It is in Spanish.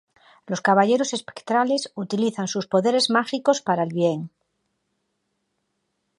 Los Caballeros Espectrales utilizan sus poderes mágicos para el bien.